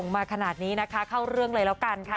มาขนาดนี้นะคะเข้าเรื่องเลยแล้วกันค่ะ